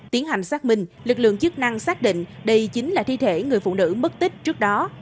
tiến hành xác minh lực lượng chức năng xác định đây chính là thi thể người phụ nữ mất tích trước đó